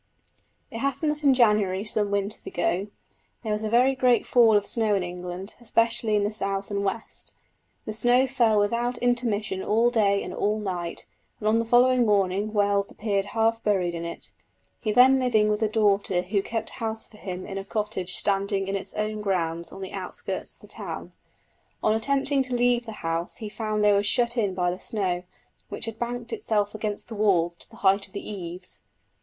It happened that in January some winters ago, there was a very great fall of snow in England, especially in the south and west. The snow fell without intermission all day and all night, and on the following morning Wells appeared half buried in it. He was then living with a daughter who kept house for him in a cottage standing in its own grounds on the outskirts of the town. On attempting to leave the house he found they were shut in by the snow, which had banked itself against the walls to the height of the eaves.